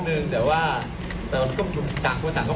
ว่าแต่ว่าแต่แล้วก็อื่นปูต่างต่างเขาไม่นุจจัด